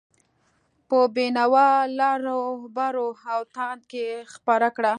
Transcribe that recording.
په بینوا، لراوبر او تاند کې خپره کړه.